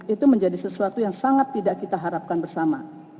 itu menjadi sesuatu yang sangat tidak kita harapkan bersama